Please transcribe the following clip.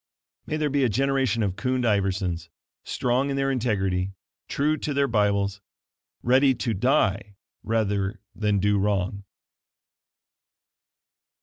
May there be a generation of Kund Iversons, strong in their integrity, true to their Bibles ready to die rather than do wrong.